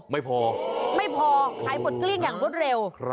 ไม่พอไม่พอขายหมดเกลี้ยงอย่างรวดเร็ว